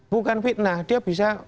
bukan fitnah dia bisa